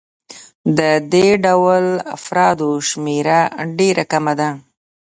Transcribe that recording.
د دې ډول افرادو شمېره ډېره کمه ده